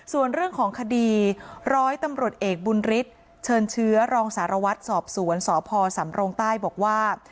ส่วนเรื่องของคดีร้อยตำรวจเอกบุญฤทธิ์เชิญเชื้อรองสารวัตรสอบสวนสพสำรงใต้บอกว่า